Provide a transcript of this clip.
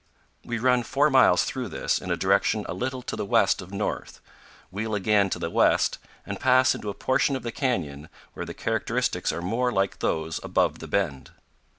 We run four miles through this, in a direction a little to the west of north, wheel again to the west, and pass into a portion of the canyon where the characteristics are more like those above the bend.